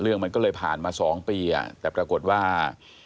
เรื่องมันก็เลยผ่านมา๒ปีแต่ปรากฏว่า